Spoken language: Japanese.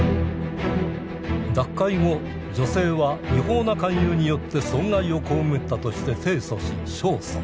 脱会後女性は違法な勧誘によって損害を被ったとして提訴し勝訴。